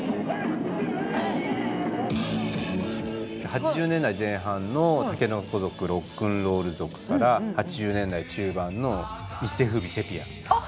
８０年代前半の竹の子族ロックンロール族から８０年代中盤の一世風靡セピア。あ！